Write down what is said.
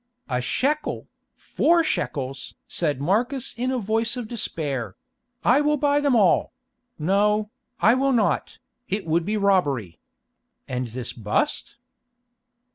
"A shekel! Four shekels!" said Marcus in a voice of despair; "I will buy them all—no, I will not, it would be robbery. And this bust?"